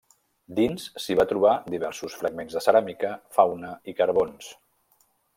Dins s'hi va trobar diversos fragments de ceràmica, fauna i carbons.